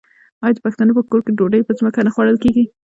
آیا د پښتنو په کور کې ډوډۍ په ځمکه نه خوړل کیږي؟